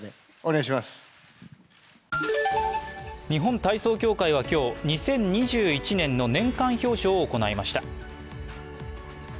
日本体操協会は今日、２０２１年の年間表彰を行いました。